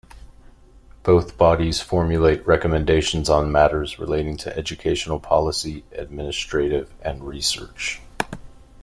Both bodies formulate recommendations on matters relating to educational policy, administrative and research.